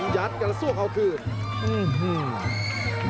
ยัดกันแล้วส่วนเข้าคืน